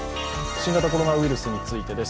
新型コロナウイルスについてです。